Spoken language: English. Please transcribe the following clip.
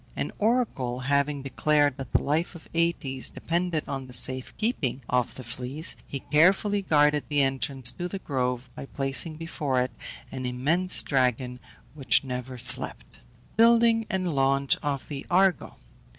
An oracle having declared that the life of Aëtes depended on the safe keeping of the fleece, he carefully guarded the entrance to the grove by placing before it an immense dragon, which never slept. BUILDING AND LAUNCH OF THE ARGO.